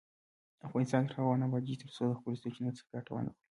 افغانستان تر هغو نه ابادیږي، ترڅو د خپلو سرچینو څخه ګټه وانخلو.